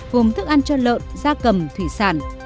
gồm thức ăn cho lợn gia cầm thủy sản